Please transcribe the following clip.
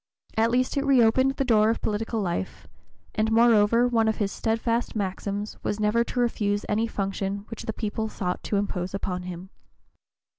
At least it reopened the door of political life, and moreover one of his steadfast maxims was never to refuse any function which the people sought to impose upon him.